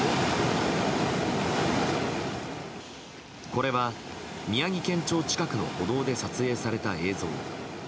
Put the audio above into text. これは宮城県庁近くの歩道で撮影された映像。